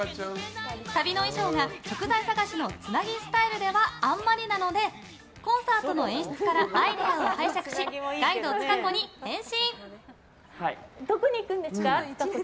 旅の衣装が食材探しのつなぎスタイルではあんまりなのでコンサートの演出からアイデアをもらいつか子に変身！